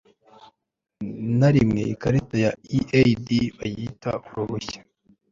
na rimwe ikarita ya EAD bayita uruhushya